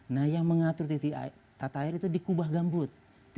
nah yang mengatur tata air itu di kubah gambut